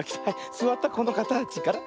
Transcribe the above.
すわったこのかたちから。